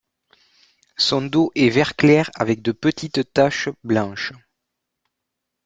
Son dos est vert clair avec de petites taches blanches.